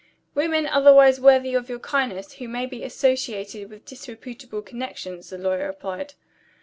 "Women, otherwise worthy of your kindness, who may be associated with disreputable connections," the lawyer replied.